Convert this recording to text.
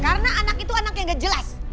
karena anak itu anak yang enggak jelas